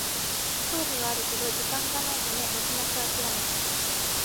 興味はあるけど時間がないため泣く泣くあきらめた